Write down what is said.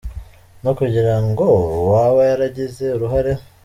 no kugirango uwaba yaragize uruhare.